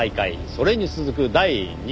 それに続く第２弾。